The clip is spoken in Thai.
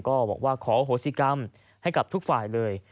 ก็บอกว่าขอโหสิกรรมให้กับทุกฝ่ายเลย